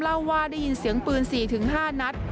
เล่าว่าได้ยินเสียงปืน๔๕นัด